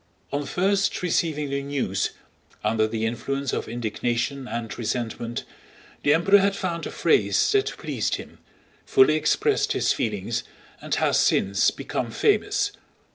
On first receiving the news, under the influence of indignation and resentment the Emperor had found a phrase that pleased him, fully expressed his feelings, and has since become famous.